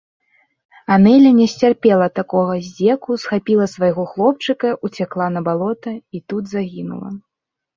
Анэля не сцярпела такога здзеку, схапіла свайго хлопчыка, уцякла на балота і тут загінула.